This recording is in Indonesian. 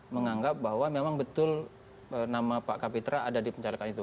menganggap bahwa memang betul nama pak kapitra ada di pencalekan itu